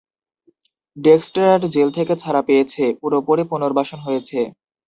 Dexter jail থেকে ছাড়া পেয়েছে, পুরোপুরি পুনর্বাসন হয়েছে।